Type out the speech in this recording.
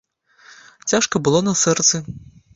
Цяжка было на сэрцы.